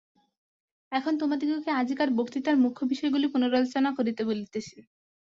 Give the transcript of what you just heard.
এখন তোমাদিগকে আজিকার বক্তৃতার মুখ্য বিষয়গুলি পুনরালোচনা করিতে বলিতেছি।